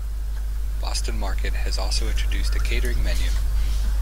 Boston Market has also introduced a catering menu.